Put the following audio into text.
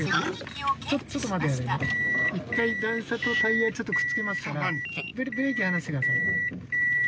１回段差とタイヤちょっとくっつけますから。